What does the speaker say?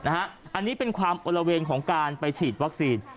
อันนี้เป็นความอลละเวงของการไปฉีดวัคซีน